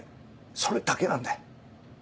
それだけなんだよ。